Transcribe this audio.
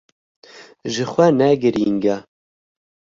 Jixwe ne girîng e.